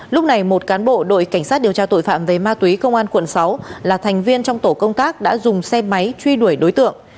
lúc này một cán bộ đội cảnh sát điều tra tội phạm về ma túy công an quận sáu là thành viên trong tổ công tác đã dùng xe máy truy đuổi đối tượng